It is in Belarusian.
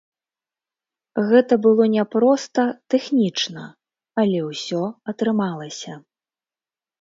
Гэта было няпроста тэхнічна, але ўсё атрымалася.